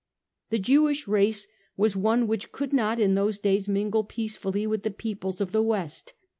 The Jewish race was one which could not in those days mingle peacefully with the peoples of the due partly West.